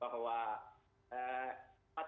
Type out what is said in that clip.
bahwa ini adalah pembukaan pusat